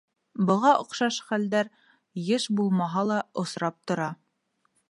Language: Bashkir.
Быға оҡшаш хәлдәр йыш булмаһа ла, осрап тора.